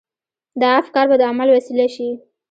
دا افکار به د عمل وسيله شي.